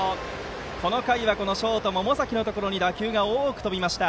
この回は、ショート百崎のところに打球が多く飛びました。